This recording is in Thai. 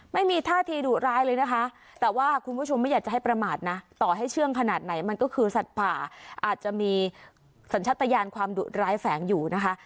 ไม่มีท่าทีดุร้ายเลยนะคะแต่ว่าคุณผู้ชมไม่อยากจะให้ประมาทนะต่อให้เชื่องขนาดไหนมันก็คือสัตว์ผ่าอาจจะมีสัญชาติยานความดุร้ายแฝงอยู่นะคะ